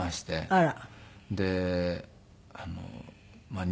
あら。